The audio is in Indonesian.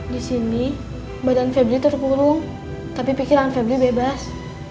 di sini badan febri terkurung tapi pikiran febri bebas